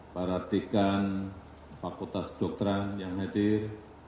para rdekan pakultas dokteran yang hadir